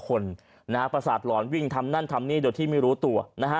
คนประสาทหลอนวิ่งทำนั้นทำนี้โดยที่ไม่รู้ตัว